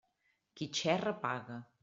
Qui xerra paga.